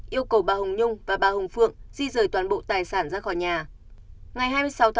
yêu cầu bà hồng nhung và bà hồng phượng di rời toàn bộ tài sản ra khỏi nhà